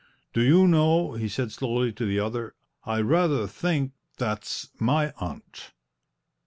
"Do you know," he said slowly to the other, "I rather think that's my aunt!"